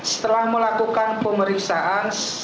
setelah melakukan pemeriksaan